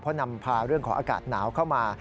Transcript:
เพราะนำพาเรื่องของอากาศหนาวเข้ามา